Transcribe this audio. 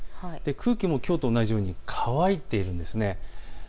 空気もきょうと同じように乾いているんです。